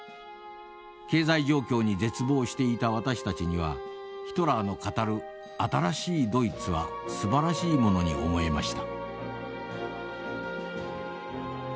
経済状況に絶望していた私たちにはヒトラーの語る新しいドイツはすばらしいものに思えました」。